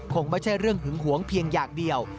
คงไม่ใช่เรื่องหึงหวงเพียงอย่างเดียว